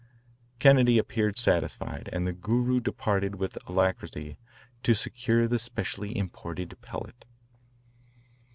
Kennedy appeared satisfied, and the Guru departed with alacrity to secure the specially imported pellet.